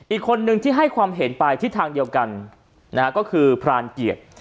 อีกคนนึงที่ให้ความเห็นไปทิศทางเดียวกันนะฮะก็คือพรานเกียรติ